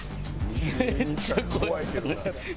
めっちゃ怖いですよね。